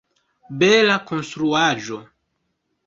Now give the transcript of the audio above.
Bela konstruaĵo!